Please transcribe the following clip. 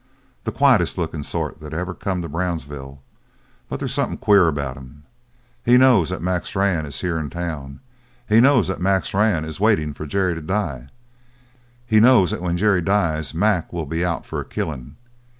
The quietest lookin' sort that ever come to Brownsville. But there's something queer about him. He knows that Mac Strann is here in town. He knows that Mac Strann is waiting for Jerry to die. He knows that when Jerry dies Mac will be out for a killin'.